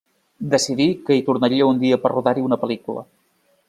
Decidí que hi tornaria un dia per rodar-hi una pel·lícula.